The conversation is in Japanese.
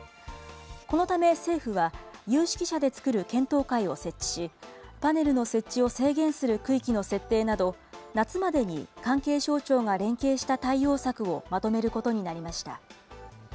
このため政府は、有識者でつくる検討会を設置し、パネルの設置を制限する区域の設定など、夏までに関係省庁が連携した対応策をまとめることになりました。